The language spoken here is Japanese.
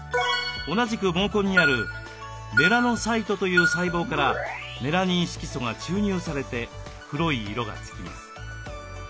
同じく毛根にあるメラノサイトという細胞からメラニン色素が注入されて黒い色がつきます。